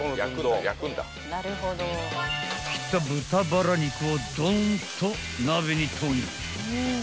［切った豚バラ肉をドンと鍋に投入］